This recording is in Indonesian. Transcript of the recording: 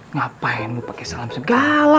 ngapain lu pake salam segala